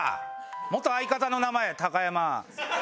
元相方の名前高山。